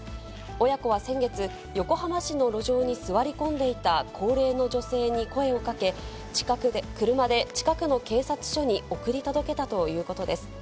親子は先月、横浜市の路上に座り込んでいた高齢の女性に声をかけ、車で近くの警察署に送り届けたということです。